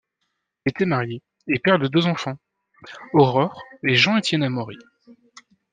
Il était marié et père de deux enfants, Aurore et Jean-Étienne Amaury.